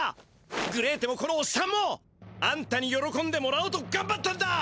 グレーテもこのおっさんもあんたによろこんでもらおうとがんばったんだ！